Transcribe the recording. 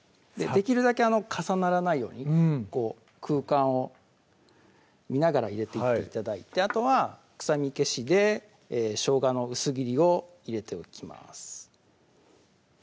できるだけ重ならないように空間を見ながら入れていって頂いてあとは臭み消しでしょうがの薄切りを入れておきます